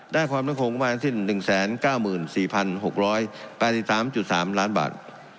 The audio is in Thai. ด้านความมั่นคงของประมาณที่๑๙๔๖๘๓๓ล้านบาท